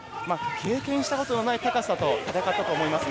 経験したことのない高さだったと思います。